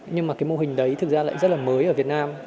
nhưng mà cái mô hình đấy thực ra lại rất là mới